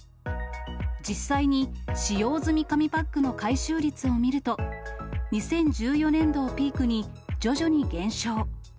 実際に、使用済み紙パックの回収率を見ると、２０１４年度をピークに徐々に減少。